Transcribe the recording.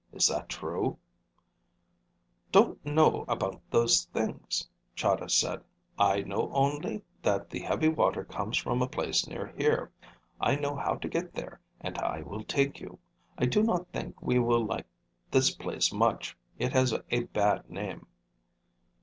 Is that true?" "Don't know about those things," Chahda said. "I know only that the heavy water comes from a place near here. I know how to get there and I will take you. I do not think we will like this place much. It has a bad name."